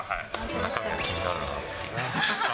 中身が気になるなっていう。